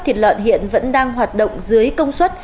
thịt lợn hiện vẫn đang hoạt động dưới công suất